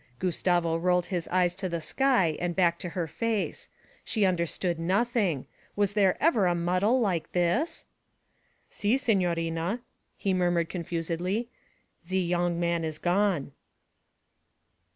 Gustavo rolled his eyes to the sky and back to her face. She understood nothing; was there ever a muddle like this? 'Si, signorina,' he murmured confusedly, 'ze yong man is gone.'